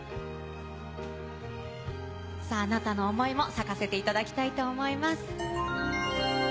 あなたの想いを咲かせていただきたいと思います。